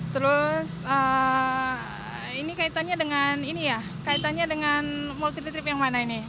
terus ini kaitannya dengan multi trip yang mana ini